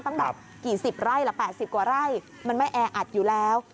ตั้งแบบกี่สิบไร่ละ๘๐กว่าไร่มันไม่แออัดอยู่แล้ว